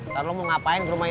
neng ineke mau ngajak jalan